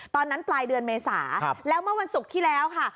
ปลายเดือนเมษาแล้วเมื่อวันศุกร์ที่แล้วค่ะ